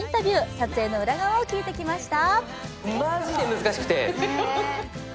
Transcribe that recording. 撮影の裏側を聞いてきました。